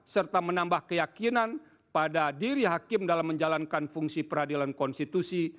serta menambah keyakinan pada diri hakim dalam menjalankan fungsi peradilan konstitusi